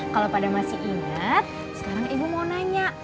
kalau pada masih ingat sekarang ibu mau nanya